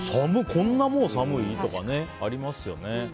こんなもう寒い？なんてありますよね。